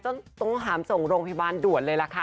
ต้องหามส่งโรงพยาบาลด่วนเลยล่ะค่ะ